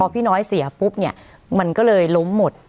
พี่น้อยเสียปุ๊บเนี่ยมันก็เลยล้มหมด